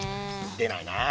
でないなあ。